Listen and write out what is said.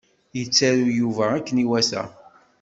Yettaru Yuba akken iwata.